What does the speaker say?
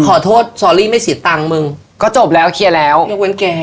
ขอโทษสอริไม่สีตังค์มึงก็จบแล้วเคลียร์แล้วยังเหว้นแก